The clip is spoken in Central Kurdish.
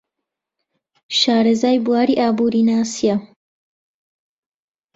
شارەزای بواری ئابوورناسییە.